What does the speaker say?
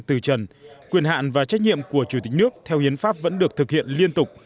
từ trần quyền hạn và trách nhiệm của chủ tịch nước theo hiến pháp vẫn được thực hiện liên tục